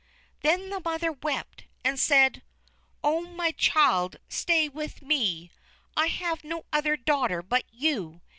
Then the mother wept, and said: "Oh, my child, stay with me! I have no other daughter but you!